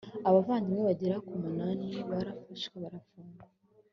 abavandimwe bagera ku munani, barafashwe barafungwa